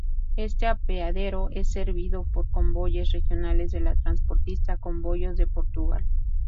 Este apeadero es servido por comboyes regionales de la transportista Comboios de Portugal.